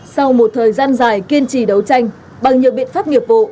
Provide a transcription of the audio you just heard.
sau một thời gian dài kiên trì đấu tranh bằng nhiều biện pháp nghiệp vụ